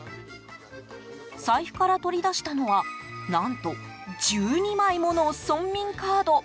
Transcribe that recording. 財布から取り出したのは何と、１２枚もの村民カード！